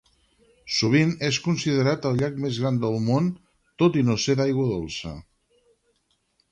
Sovint és considerat el llac més gran del món, tot i no ser d'aigua dolça.